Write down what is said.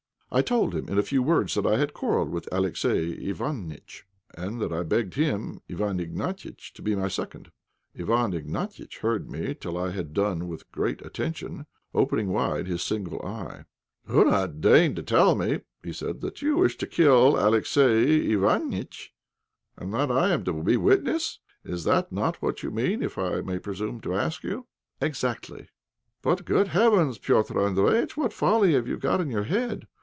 I told him in a few words that I had quarrelled with Alexey Iványtch, and that I begged him, Iwán Ignatiitch, to be my second. Iwán Ignatiitch heard me till I had done with great attention, opening wide his single eye. "You deign to tell me," said he, "that you wish to kill Alexey Iványtch, and that I am to be witness? Is not that what you mean, if I may presume to ask you?" "Exactly." "But, good heavens, Petr' Andréjïtch, what folly have you got in your head?